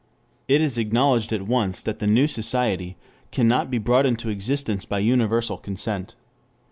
It is acknowledged at once that the new society cannot be brought into existence by universal consent.